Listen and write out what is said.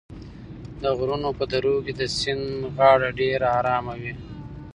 د غرونو په درو کې د سیند غاړه ډېره ارامه وي.